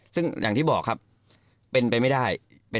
ซึ่งอย่างที่บอกครับเป็นไปไม่ได้